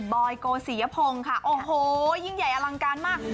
บอยโกศียพงศ์ค่ะโอ้โหยิ่งใหญ่อลังการมาก